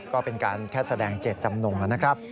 ก็เป็นการแค่แสดงเจตจำนงนะครับ